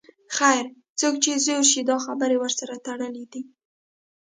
خیر، څوک چې زوړ شي دا خبرې ورسره تړلې دي.